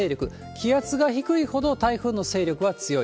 気圧が低いほど台風の勢力は強い。